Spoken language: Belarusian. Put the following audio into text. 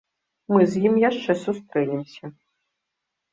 Мы з ім яшчэ сустрэнемся.